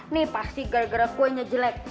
nih pasti gara gara kuenya jelek